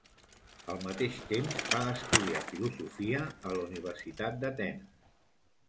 Al mateix temps, va estudiar filosofia a la Universitat d"Atenes.